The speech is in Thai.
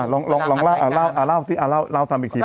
ลองเล่าฟังอีกที